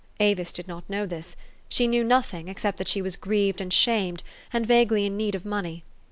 Avis did not know this. She knew nothing, except that she was grieved and shamed, and vaguely in need of money.